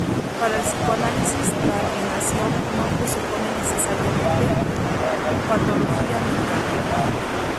Para el psicoanálisis la alienación no presupone necesariamente patología mental.